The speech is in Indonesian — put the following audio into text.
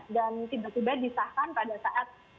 dan tiba tiba disahkan pada saat